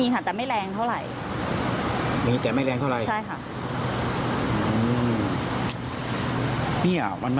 จางลงค่ะแต่เมื่อกี้แรงกว่านี้